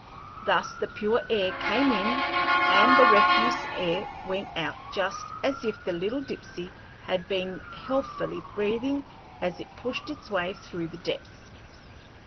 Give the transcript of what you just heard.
Thus the pure air came in and the refuse air went out just as if the little Dipsey had been healthfully breathing as it pushed its way through the depths.